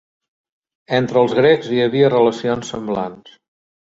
Entre els grecs hi havia relacions semblants.